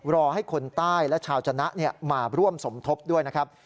รอให้คนใต้และชาวจนะมาร่วมสมทบด้วยนะครับ